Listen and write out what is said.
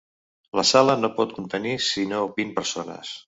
La sala no pot contenir sinó vint persones.